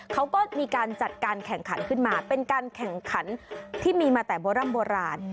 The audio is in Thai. เขาก็มีการจัดการแข่งขันขึ้นมาเป็นการแข่งขันที่มีมาแต่โบร่ำโบราณ